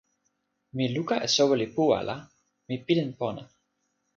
mi luka e soweli puwa la mi pilin pona.